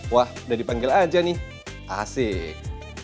wah udah dipanggil aja nih asik